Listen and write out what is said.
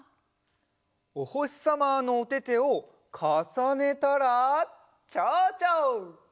おほしさまのおててをかさねたらちょうちょ！